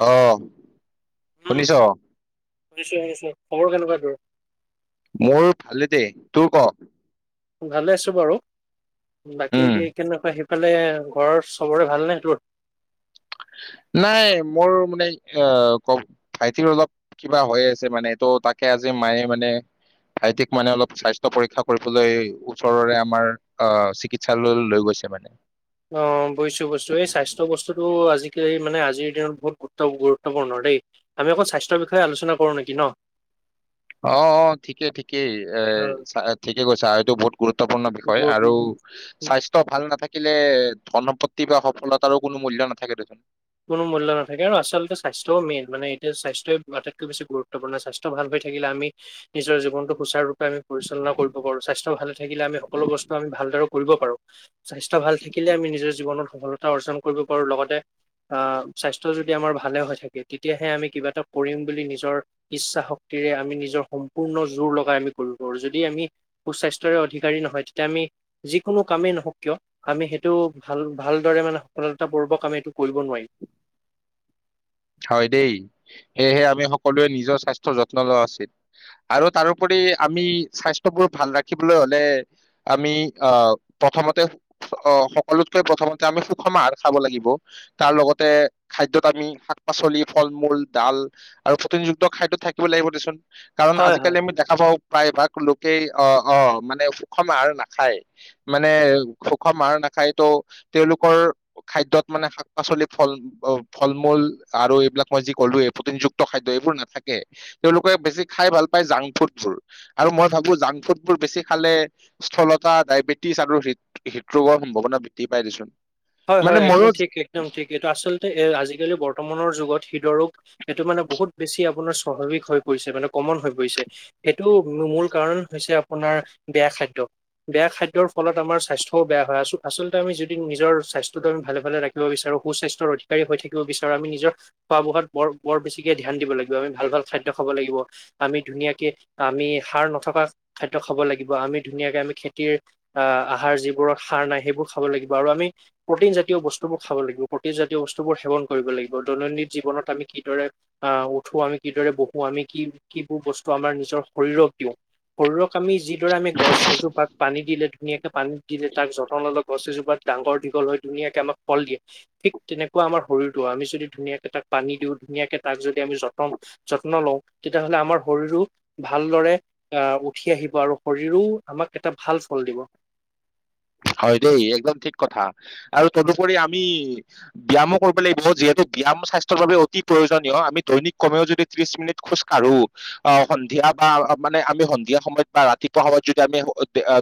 অ', উম শুনিছ? শুনিছো-শুনিছো, খবৰ কেনেকুৱা তোৰ? মোৰ ভালে দে, তোৰ ক? ভালে আছো বাৰু। বাকী উম, কেনেকুৱা সে ফালে ঘৰ চবৰে ভালনে তোৰ? নাই মোৰ মানে আহ ক ভাইটিৰ অলপ কিবা হৈ আছে মানে এইটো তাকে আজি মায়ে মানে ভাইটিক মানে অলপ স্বাস্থ্য পৰীক্ষা কৰিবলৈ ওচৰৰে আমাৰ আহ চিকিৎসালয়লৈ লৈ গৈছে মানে। অ বুজিছো বুজছোএই স্বাস্থ্য বস্তুটো আজিকালি মানে আজিৰ দিনত বহুত গুৰুত্ব গুৰুত্বপূৰ্ণ দেই, আমি অকল স্বাস্থ্যৰ বিষয়ে আলোচনা কৰোঁ নেকি ন? অঁ-অঁ ঠিকেই-ঠিকেই এ অ ঠিকেই কৈছা আৰু এইটো বহুত গুৰুত্বপূৰ্ণ বিষয় আৰু গুৰু- স্বাস্থ্য ভাল নাথা কিলে ধন সম্পত্তি বা সফলতাৰো কোনো মূল্য নাথাকে দেচোন। কোনো মূল্য নাথাকে আৰু আচলতে স্বাস্থ্যও মেইন মানে এটোয়া স্বাস্থ্যই আটাইতকৈ বেছি গুৰুত্বূৰ্ণ স্বাস্থ্য ভাল হৈ থাকিলে আমি নিজৰ জীৱনটো সুচাৰূপ [unintelligible] পৰিচালনা কৰিব পাৰো স্বাস্থ্য ভাল থাকিলে আমি সকলো বস্তু আমি ভালদৰে কৰিব পাৰো স্বাস্থ্য ভাল থাকিলে আমি নিজৰ জীৱনত সফলতা অৰ্জন কৰিব পাৰো লগতে আহ স্বাস্থ্য যদি আমাৰ ভালে হৈ থাকে, তেতিয়াহে আমি কিবা এটা কৰিম বুলি নিজৰ ইচ্ছা শক্তিৰে আমি নিজৰ সম্পূৰ্ণ জোৰ লগাই আমি কৰিব পাৰো যদি আমি সুস্বাস্থ্য়ৰে অধিকাৰী নহয়, তেতিয়া আমি যিকোনো কামেই নহও কিয় আমি সেইটো ভাল ভালদৰে মানে সফলতাপূৰ্ব কাম এইটো কৰিব নোৱাৰি। হয় দেই, সেয়েহে আমি সকলোৱে নিজৰ স্বাস্থ্যৰ যত্ন লোৱা উচিত, আৰু তাৰোপৰি আমি স্বাস্থ্যবোৰ ভাল ৰাখিবলৈ হলে আমি অ' প্ৰথমতে সকলোতকৈ প্ৰথমতে আমি সুষম আহাৰ খাব লাগিব, তাৰ লগতে খাদ্যয়ত আমি পাচলি ফল-মূল ডাল আৰু প্ৰটিনযুক্ত খাদ্য থাকিব লাগিব দেচোন। কাৰণ হয়, হয়। আজিকালি আমি দেখা পাওঁ পায় বা লোকেই অ-অ মানে সুষম আহাৰ নাখায়, মানে সুষম আহৰ নাখায় তো তেওঁলোকৰ খাদ্যয়ত মানে শাক পাচলি ফল ফল-মূল আৰু এইবিলাক মই যি ক'লোৱে প্ৰটিনযুক্ত খাদ্য এইবোৰ নাথাকে, তেওঁলোকে বেছি খাই ভাল পায় জাংক ফুডবোৰ আৰু মই ভাবো জাংক ফুডবোৰ বেছি খালে স্থলতা ডায়বেটিছ আৰুৃ হৃদৰোগৰ সম্ভাৱনা বৃদ্ধি পাই দেচোন। মানে হয়-হয় একদম ময়ো ঠিক একদম ঠিক এইটো আচলতে এ আজিকালি বৰ্তমানৰ যোগত হৃদৰোগ সটো মানে বহুত বেছি আপোনাৰ স্বাভাৱিক হৈ পৰিছে মানে কমন হৈ পৰিছে সটো মূল কাৰণ হৈছে আপোনাৰ বেয়া খাদ্য। বেয়া খাদ্যৰ ফলত আমাৰ স্বাস্থও বেয়া হয়। আচলতে আমি যদি নিজৰ স্বাস্থ্যটো আমি ভালে ভালে ৰাখিব বিচাৰো সু স্বাস্থ্যৰ অধিকাৰী হৈ থাকিব বিচাৰো আমি নিজৰ খোৱা বোৱাত বৰ বৰ বেছিকে ধ্যান দিব লাগিব। আমি ভাল ভাল খাদ্য খাব লাগিব আমি ধুনীয়াকে আমি সাৰ নথকা খাদ্য খাব লাগিব আমি ধুনীয়াকে আমি খেতিৰ আ আহাৰ যিবোৰত সাৰ নাই সেইবোৰ খাব লাগিব আৰু আমি প্ৰটিন জাতীয় বস্তুবোৰ খাব লাগিব প্ৰটিন জাতীয় বস্তুবোৰ সেৱন কৰিব লাগিব। দৈনন্দিন জীৱনত আমি কিদৰে আহ উঠো আমি কিদৰে বহো আমি কি কিবোৰ বস্তু আমাৰ নিজৰ শৰীৰক দিওঁ শৰীৰক আমি যি এইদৰে আমি গছ এজোপাক পানী দিলে ধুনীয়া পানীত দিলে তাক যতন ল'লে গছজোপাত ডাঙৰ দি কল ধুনীয়াকে আমাক ফল দিয়ে ঠিক তেনেকুৱা আমাৰ শৰীৰটো আমি যদি ধুনীয়াকে তাক পানী দিওঁ ধুনীয়াকে তাক যদি আমি যত্ন লওঁ তেতিয়াাহলে আমাৰ শৰীৰো ভালদৰে আহ উঠি আহিব আৰু শৰীৰো আমাক এটা ভাল ফল দিব হয় দেই একদম ঠিক কথা আৰু তদুপৰি আমি ব্যয়ামো কৰিব লাগিব যিহেতু ব্যায়াম স্বাস্থ্যৰ বাবে অতি প্ৰয়োজনীয় আমি দৈনিক কমেও যদি ত্ৰিশ মিনিট খোজ কাঢ়ো আহ সন্ধিয়া বা মানে আমি সন্ধিয়া সময়ত বা ৰাতিপুৱা সময়ত যদি আমি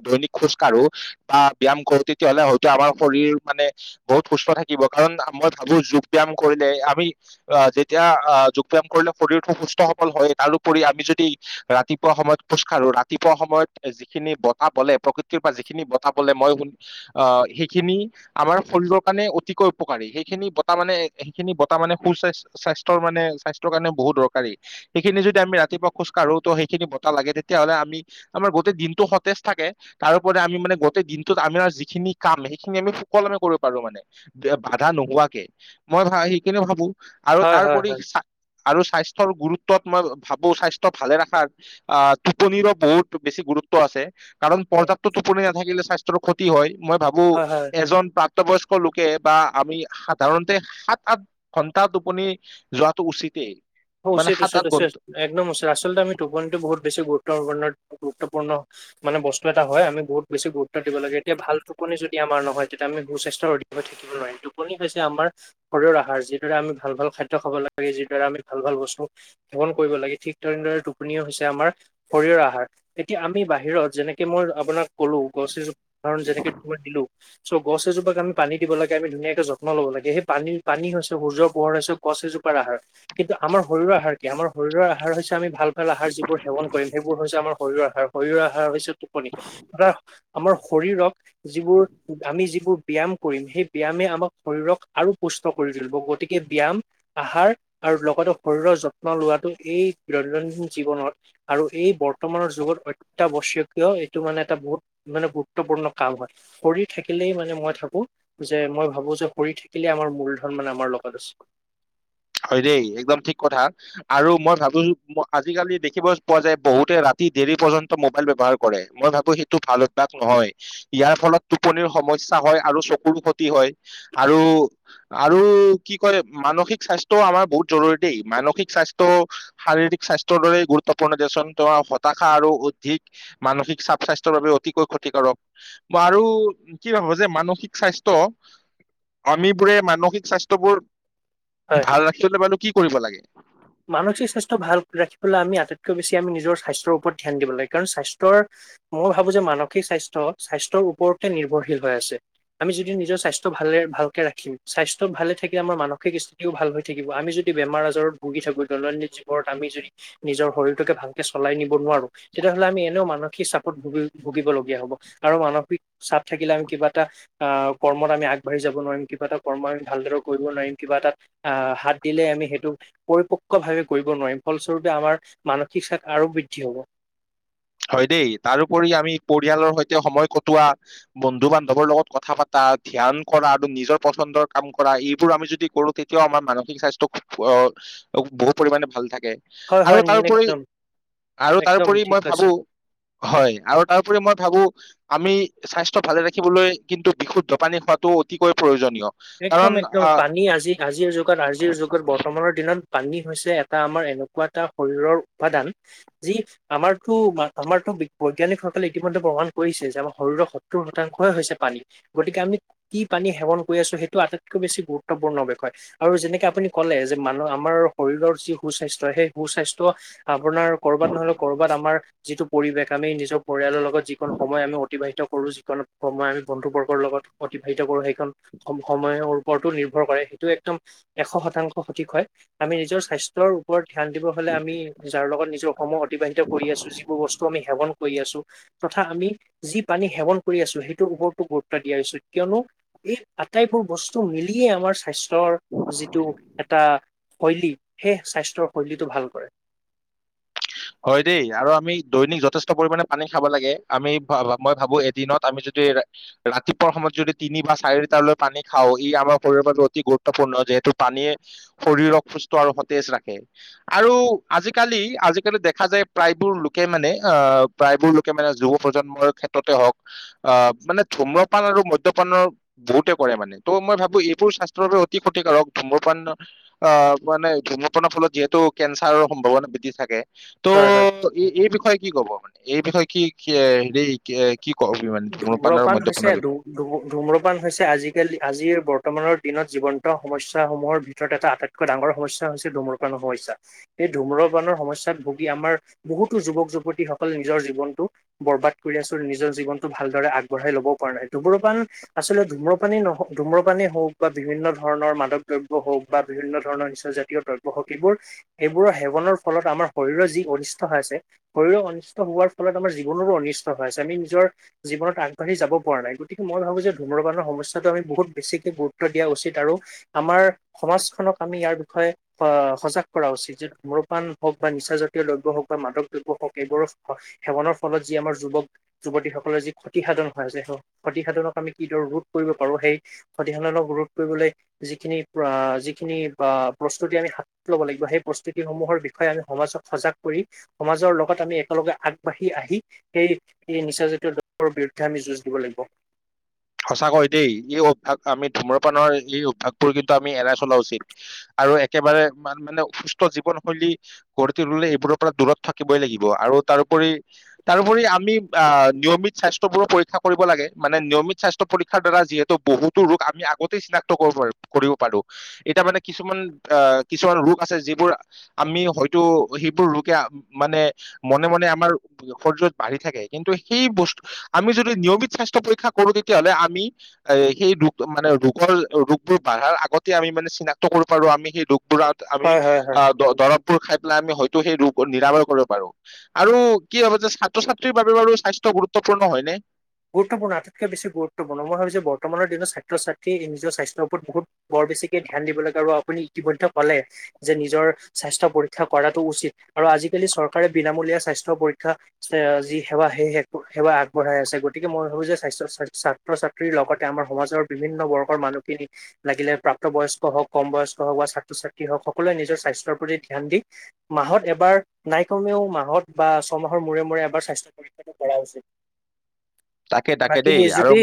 দৈনিক খোজ কাঢ়ো বা ব্যায়াম কৰো তেতিয়াহলে হয়তো আমাৰ শৰীৰ মানে বহুত সুস্থ থাকিব কাৰণ মই ভাবো যোগ ব্যায়াম কৰিলে আমি যেতিয়া যোগ ব্যায়াম কৰিলে শৰীৰ সুস্থ সবল হয় তাৰপৰি আমি যদি ৰাতিপুৱা সময়ত খোজকাঢ়ো ৰাতিপুৱা সময়ত যিখিনি বতাহ বলে প্ৰকৃতিৰ পৰা যিখিনি কথা কলে মই শুনো আৰু সেইখিনি আমাৰ শৰীৰৰ কাৰণে অতিকৈ উপকাৰী সেইখিনি বতাহ মানে সেইখিনি বতাহ মানে সু স্বাস্থ স্বাস্থ্ৰ মানে স্বাস্থ্য়ৰ কাৰণে বহুত দৰকাৰী সেইখিনি যদি আমি ৰাতিপুৱা খোজ কঢ়ো তো সেইখিনি বতাহ লাগে তেতিয়াাহ'লে আমি আমাৰ গোটেই দিনটো সতেজ থাকে তাৰোপৰি আমি মানে গোতেই দিনটোত আমাৰ যিখিনি কাম সেইখিনি আমি সুকলমে কৰিব পাৰো মানে বাধা নোহোৱাকে মই সেইখিনি ভাবো আৰু হয় তাৰ হয় ওপৰি হয় আৰু স্বাস্থ্যৰ গুৰুত্ব মই ভাবো স্বাস্থ্য ভালে ৰখাৰ আহ টোপনিৰো বহুত বেছি গুৰুত্ব আছে কাৰণ হয় পৰ্যাপ্ত টোপনি নাথাকিলে স্বাস্থ্যৰ ক্ষতি হয় মই ভাবো হয় হয় এজন প্ৰাক প্ৰাপ্ত বয়স্ক লোকে বা আমি সাধাৰণতে সাত আঠ ঘন্টা টোপনি যোৱাটো উচিতে উচিত উচিত উচিত একদম উচিত আচলতে টোপনিতে বহুত বেছি গুৰুত্ব তাৰ মানে গুৰুত্বপূৰ্ণ মানে বস্তু এটা হয় আম বহুত বেছি গুৰুত্ব দিব লাগে এতিয়া ভাল টোপনি যদি আমাৰ নহয় তেতিয়া আমি সু স্বাস্থ্যৰ অধিক হৈ থাকিব নোৱাৰিম টোপনি হৈছে আমাৰ শৰীৰৰ আহাৰ যিদৰে আমি ভাল ভাল খাদ্য খাব লাগে যিদৰে আমি ভাল ভাল বস্তু সেৱন কৰিব লাগে ঠিক তেনেদৰে টোপনি হৈছে আমাৰ শৰীৰৰ আহাৰ। এতিয়া আমি বাহিৰত যেনেকে মই আপোনাক কলো গছ এজোপা যেনেকে দিলো গছ এজোপাক আমি পানী দিব লাগে আমি ধুনীয়াকে যত্ন লব লাগে সেই পানী হৈছে সূৰ্য পোহৰ হৈছে গছ এজোপাৰ আহাৰ। কিন্তু আমাৰ শৰীৰৰ আহাৰ কি আমাৰ শৰীৰৰ আহাৰ হৈছে আমি ভাল আহাৰ যিবোৰ সেৱন কৰিম সেইবোৰ হৈছে আমাৰ শৰীৰৰ আহাৰ শৰীৰৰ আহাৰ হৈছে টোপনি আমাৰ শৰীৰক যিবোৰ আমি যিবোৰ ব্যায়াম কৰিম সেই ব্যায়ামে আমাক শৰীৰক আৰু পুষ্ট কৰি তুলিব গতিকে ব্যায়াম আহাৰ আৰু লগতে শৰীৰৰ যত্ন লোৱাটো এই দৈনন্দিন জীৱনত আৰু এই বৰ্তমানৰ যুগত অত্যাৱশ্যকীয় এইটো মানে এটা বহুত মানে গুৰুত্বপূৰ্ণ কাম হয় শৰীৰ থাকিলেই মানে মই থাকো যে মই ভাবো যে শৰীৰ থাকিলেই আমাৰ মূলধন মানে আমাৰ লগত আছে হয় দেই একদম ঠিক কথা আৰু মই ভাবোছো আজিকালি দেখিবলৈ পোৱা যায় বহুতে ৰাতি দেৰি পৰ্যন্ত মোবাইল ব্যৱহাৰ কৰে মই ভাবো সেইটো ভাল অভ্যাস নহয় ইয়াৰ ফলত টোপনিৰ সমস্যা হয় আৰু চকুৰো ক্ষতি হয় আৰু আৰু কি কয় মানসিক স্বাস্থ্য টো আমাৰ বহুত জৰুৰী দেই মানসিক স্বাস্থ্য শাৰীৰিক স্বাস্থ্যৰ দৰে গুৰুত্বপূৰ্ণ দে ছুন পৰা আৰু হতাশা অধিক মানসিক চাপ স্বাস্থ্যৰ বাবে অতিকৈ ক্ষতিকাৰক আৰু কি ভাব যে মানসিক স্বাস্থ্য আমি বোৰে মানসিক স্বাস্থ্যয়বোৰ হয় ভাল ৰাখিবলে কি কৰিব লাগে মানসিক স্বাস্থ্য ভাল ৰাখিবলৈ আমি আটাইতকৈ বেছি আমি নিজৰ স্বাস্থ্যৰ ওপৰত ধ্যান দিব লাগে কাৰণ স্বাস্থ্যৰ মই ভাবো যে মানসিক স্বাস্থ্য স্বাস্থ্যৰ ওপৰতে নিৰ্ভৰশীল হৈ আছে আমি যদি নিজৰ স্বাস্থ্য ভালে ভালকে ৰাখিম স্বাস্থ্য ভালে থাকিলে আমাৰ মানসিক স্থিতিও ভাল হৈ থাকিব আমি যদি বেমাৰ আজাৰৰ ভুগি থাকো দৈনন্দিন জীৱনত আমি যদি নিজৰ শৰীৰটোকে ভালকে চলাই নিব নোৱাৰো তেতিয়াহলে আমি এনেও মানসিক চাপত ভুগ ভুগিব লগগীয়া হব আৰু মানসিক চাপ থাকিলে আমি কিবা এটা আহ কৰ্মত আমি আগবাঢ়ি যাব নোৱাৰিম কিবা এটা কৰ্ম আমি ভালদৰে কৰিব নোৱাৰিম কিবা এটা আহ হাত দিলে আমি সেইটো পৰিপক্কভাৱে কৰিব নোৱাৰিম ফলস্বৰূপে আমাৰ মানসিক চাপ আৰু বৃদ্ধি হ'ব হয় দেই তাৰোপৰি আমি পৰিয়ালৰ সৈতে সময় কটোৱা বন্ধু বান্ধৱৰ লগত কথা পাতা ধ্যান কৰা আৰু নিজৰ পচন্দৰ কাম কৰা এইবোৰ আমি যদি কৰো তেতিয়াও আমাৰ মানসিক স্বাস্থ্য বহু পৰিমমানে ভাল থাকে হয় আৰু তাৰ হয় ওপৰি একদম আৰু তাৰ একদম ওপৰি ঠিক মই কৈছে ভাবো হয় আৰু তাৰপৰি মই ভাবো আমি স্বাস্থ্য ভালে ৰাখিবলৈ কিন্তু বিশুদ্ধপানী খোৱাতটো অতিকৈ প্ৰয়োজনীয় একদম একদম কাৰণ পানী আজি আজিৰ যুগত আজিৰ যুগত বৰ্তমানৰ দিনত পানী হৈছে এটা আমাৰ এনেকুৱা এটা শৰীৰৰ উপাদান যি আমাৰতো আমাৰতো বৈজ্ঞানিক সকলে ইতিমধ্যে প্ৰমাণ কৰিছে যে আমাৰ শৰীৰৰ সত্তৰ শতাংশে হৈছে পানী গতিকে আমি কি পানী সেৱন কৰি আছো সেই টো আটাইতকৈ বেছি গুৰুত্বপূৰ্ণ বিষয় আৰু যেনেকে আপুনি কলে যে মানুহ আমাৰ শৰীৰৰ যি সু স্বাস্থ্য সেই সুস্বাস্থ্য আপোনাৰ কৰ'ৰবাত নহলেও কৰ'ৰবাত আমাৰ যিটো পৰিৱেশ আমি নিজৰ পৰিয়ালৰ ল যিখন সময় আমি অতিবাহিত কৰো, যিকন সময় আমি বন্ধু বৰ্গৰ লগত অতিবাহিত কৰো সেই [unintelligible] ওৰ্পতো নিৰ্ভৰ কৰে সেইটো একদম এশ শতাংশ সঠিক হয়, আমি নিজৰ স্বাস্থ্যৰ ওপৰত ধ্যান দিব হ'লে আমি যাৰ লগত নি সম অতিবাহিত কৰি আছো, যিবোৰ বস্তু আমি সেৱন কৰি আছো, তথা আমি যি পানী সেৱন কৰি আছো, সেইটোৰ ওপৰতো গুৰুত্ব দিয়া উচিত, কিয়নো এই টাইপৰ বস্তু মিলিয়েই আমাৰ স্বাস্থ্যৰ যিটো এটা শৈলী, সেই স্বাস্থ্যৰ শৈলীটো ভাল কৰে হয় দেই আৰু আমি দৈনিক যথেষ্ট পৰিমণে পানী খাব লাগে, আমি মই ভাবো এদিনত আমি যদি ৰাতিপুৱাৰ সময়ত যদি তিনি বা চাৰি লিটাৰলৈ পানী খাওঁ ই আমাৰ শৰীৰৰ বাবে অতি গুৰুত্বপূৰ্ণ যিহেতু পানীয়ে শৰীৰক সুস্থ আৰু সতেজ ৰাখে। আৰু আজিকালি আজি কালি দেখা যায় প্ৰায়বোৰ লোকে মানে অহ', প্ৰায়বোৰ লোকে মানে যুৱ প্ৰজন্মৰ ক্ষেত্ৰতে হওঁক, আহ', মানে ধূম্ৰপান আৰু মদ্যপানৰ বহুতে কৰে মানে। ত' মই ভাবো এইবোৰ স্বাস্থ্যৰ বাবে অতি ক্ষতিকাৰক ধূম্ৰপান, অহ', মানে ধূম্ৰপানৰ ফলত যিহেতু কেঞ্চাৰৰ সম্ভাৱনা বৃদ্ধি থাকে ত' হয় হয় এই বিষয়ে কি ক'ব মানে? এই বিষয়ে কি, কি হেৰি এ ধূম্ৰপান হৈছে, ধ ধু ধূম্ৰপান হৈছে আজিকালি আজিৰ বৰ্তমানৰ দিনত জীৱন্ত সমস্যাসমূহৰ ভিতৰত এটা আটাইতকৈ ডাঙৰ সমস্যা হৈছে ধূম্ৰপানৰ সমস্যা, সেই ধূম্ৰপানৰ সমস্যাত ভুগি আমাৰ বহুতো যুৱক- যুৱতীসকলে নিজৰ জীৱনতটো বৰ্বাদ কৰি আছো আৰু নিজৰ জীৱন ভালদৰে আগবঢ়াই ল'ব পৰা নাই, ধুম্ৰপান আচলতে ধুম্ৰপানেই নহওক ধূম্ৰপানেই হওঁক বা বিভিন্ন ধৰণৰ মাদক দ্ৰব্য হওঁক বা বিভিন্ন ধৰণৰ নিচা জাতীয় দ্ৰব্য হওঁক এইবোৰ, এইবোৰ সেৱনৰ ফলত আমাৰ শৰীৰৰ যি অনিষ্ট হৈ আছে শৰীৰৰ অনিষ্ট হোৱাৰ ফলত আমাৰ জীৱনৰো অনিষ্ট হৈ আছে, আমি নিজৰ জীৱনত আগবাঢ়ি যাব পৰা নাই, গতিকে মই ভাবো যে ধূম্ৰপানৰ সমস্যাটো আমি বহুত বেছিকে গুৰুত্ব দিয়া উচিত আৰু আমাৰ সমাজখনক আমি ইয়াৰ বিষয়ে অ, সজাগ কৰা উচিত যে ধূম্ৰপান হওঁক বা নিচা জাতীয় দ্ৰব্য হওঁক বা মাদক দ্ৰব্য হওঁক এইবোৰৰ স সেৱনৰ ফলত যি আমাৰ যুৱক-যুৱতীসকলে যি ক্ষতিসাধন হৈ আছে, ক্ষতিসাধনক আমি কিদৰে ৰোধ কৰিব পাৰো, সেই ক্ষতিসাধনক ৰোধ কৰিবলৈ যিখিনি, যিখিনি বা প্ৰস্তুতি আমি হাত ল'ব লাগিব সেই প্ৰস্তুতিসমূহৰ বিষয়ে আমি সমাজক সজাগ কৰি সমাজৰ লগত আমি একেলগে আগবাঢ়ি আহি সেই এই নিচাজাতীয় দ্ৰৱ কৰ বিৰুদ্ধে আমি যুঁজ দিব লাগিব। সঁচাকৈ দেই, এই অভ্যাস আমি ধূম্ৰপানৰ এই অভ্যাসবোৰ কিন্তু আমি এৰাই চলা উচিত, আৰু একেবাৰে মান-মানে সুস্থ জীৱনশৈলী গঢ়ি তুললে এইবোৰৰ পৰা দূৰত থাকিবই লাগিব, আৰু তাৰোপৰি- তাৰোপৰি আমি আহ' নিয়মিত স্বাস্থ্যবোৰো পৰীক্ষা কৰিব লাগে, মানে নিয়মিত স্বাস্থ্য স্বাস্থ্য পৰীক্ষাৰ দ্বাৰা যিহেতু বহুতো ৰোগ আমি আগতেই চিনাক্ত কৰিব পৰো-কৰিব পাৰো, এতিয়া মানে কিছুমান আহ', কিছুমান ৰোগ আছে যিবোৰ আমি হয়তো সেইবোৰ ৰোগে মানে মনে-মনে আমাৰ সৰিৰত বাহি থাকে, কিন্তু সেই বস্তু, আমি যুনতো নিয়মিক [unintelligible] পৰিখা কৰু তেতিয়াহ'লে আমি, এ সেই ৰোগ মানে ৰোগৰ, ৰোগবোৰ বাঢ়াৰ আগতে আমি মানে চিনাক্ত কৰিব পাৰো আমি সেই ৰোগ তুৰাত আমি হয় হয় হয় অ', দ-দৰবোৰ খাই পেলাই আমি স টো সেই ৰোগ নিৰামৰ কৰিব পাৰো, আৰু কি হব যে ছাত্ৰ ছাত্ৰীৰ বাবে বাৰু সস্বাস্থ্য গুৰুত্বপূৰ্ণ হয়নে? গুৰুত্বপূৰ্ণ আটাইতকৈ বেছি গুৰুত্বপূৰ্ণ, মই ভাবো যে বৰ্তমানৰ দিনত ছাত্ৰ ছাত্ৰীয়ে নিজৰ স্বাস্থ্যৰ ওপৰত বহুত বৰ বেছিকে ধ্যান দিব লাগে আৰু আপুনি ইতিমধ্যে কলে, যে নিজৰ স্বাস্থ্য পৰীক্ষা কৰাটো উচিত। আৰু আজিকালি চৰকাৰে বিনামূলীয়া স্বাস্থ্য পৰীক্ষা এ যি সেৱা সেই সেৱা আগবঢ়াই আছে গ তিকে মই ভাবো যে স্বাস্থ্য ছাত্ৰ-ছাত্ৰীৰ লগতে আমাৰ সমাজৰ বিভিন্ন বৰ্গৰ মানুহখিনি, লাগিলে প্ৰাপ্তবয়স্ক হওঁক কম বয়স্ক হওঁক বা ছাত্ৰ ছাত্ৰী হওক সকলোৱে নিজৰ স্বাস্থ্যৰ প্ৰতি ধ্যান দি মাহত এবাৰ নাই কমেও মাহত বা ছমাহৰ মূৰে মূৰে এবাৰ স্বাস্থ্য পৰীক্ষাটো কৰা উচিত। তাকে তাকে বাকী দেই আৰু যদি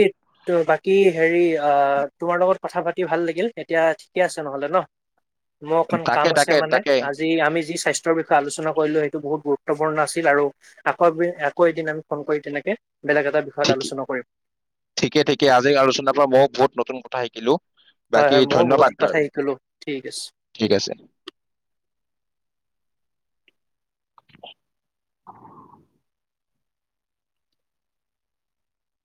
বাকী হেৰি আহ', তোমাৰ লগত কথা পাতি ভাল লাগিল। এতিয়া ঠিকে আছে নহ'লে ন? মই অকন তাকে কাম আছে তাকে মানে, তাকে আজি আমি যি স্বাস্থ্যৰ বিষয়ে আলোচনা কৰিলো এইটো বহুত গুৰুত্বপূৰ্ণ আছিল আৰু আকৌ-আকৌ এদিন আমি ফোন কৰি তেনেকে বেলেগ এটা বিষয়ত ঠিকে, আলোচনা কৰিম ঠিকে-ঠিকে আজি আলোচনাৰ পৰা মইও বহুত নতুন ক থা সিকিলো। হয়- হয়', মইয়ো বহুত কথা শিকিলোঁ, ঠিক আছে। ঠিক আছে [inaudible]